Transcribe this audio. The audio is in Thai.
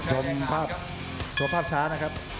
จมภาพช้านะครับ